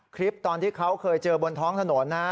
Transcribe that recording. คลิปตอนที่เขาเคยเจอบนท้องถนนนะ